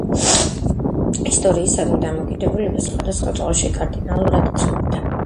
ისტორიისადმი დამოკიდებულება სხვადასხვა დროში კარდინალურად იცვლებოდა.